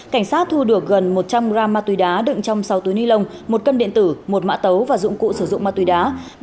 cảnh sát thu được gần một trăm linh gram ma túy đá đựng trong sáu túi ni lông một cân điện tử một mã tấu và dụng cụ sử dụng ma túy đá